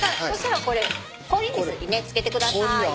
そしたらこれ氷水にね漬けてください。